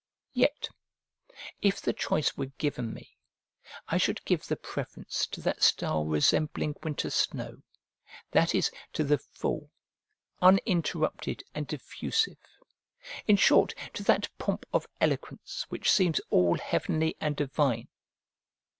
Yet, if the choice were given me, I should give the preference to that style resembling winter snow, that is, to the full, uninterrupted, and diffusive; in short, to that pomp of eloquence which seems all heavenly and divine.